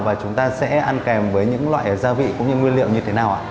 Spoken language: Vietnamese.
và chúng ta sẽ ăn kèm với những loại gia vị cũng như nguyên liệu như thế nào ạ